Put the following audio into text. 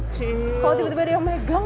kalau tiba tiba dia megang